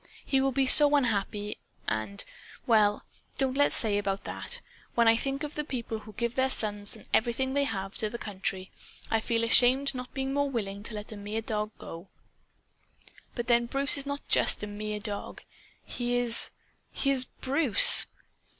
He will be so unhappy and Well, don't let's talk about that! When I think of the people who give their sons and everything they have, to the country, I feel ashamed of not being more willing to let a mere dog go. But then Bruce is not just a 'mere dog.' He is he is BRUCE.